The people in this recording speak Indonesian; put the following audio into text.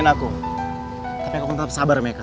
saat ini dia pengen kita diberikan buremosan